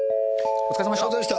お疲れさまでした。